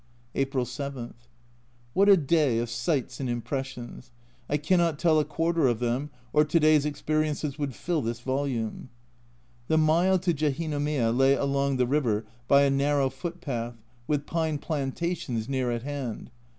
April 7. What a day of sights and impressions ! I cannot tell a quarter of them, or to day's experiences would fill this volume. The mile to Jehinomiya lay along the river by a narrow foot path, with pine plantations near at hand.